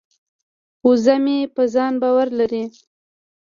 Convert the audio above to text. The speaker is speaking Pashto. وزه مې په ځان باور لري.